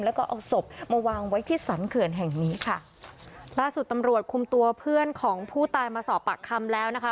แล้วก็เอาศพมาวางไว้ที่สรรเขื่อนแห่งนี้ค่ะล่าสุดตำรวจคุมตัวเพื่อนของผู้ตายมาสอบปากคำแล้วนะคะ